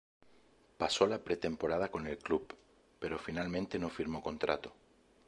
Pasó la pretemporada con el club, pero finalmente no firmó contrato.